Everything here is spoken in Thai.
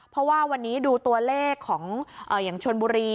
เพราะว่าวันนี้ดูตัวเลขของอย่างชนบุรี